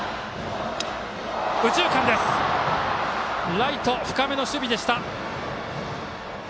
ライト、深めの守備でした。